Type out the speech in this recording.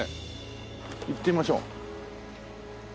行ってみましょう。